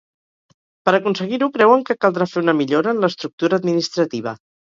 Per aconseguir-ho creuen que caldrà fer una millora en l’estructura administrativa.